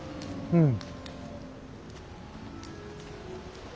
うん。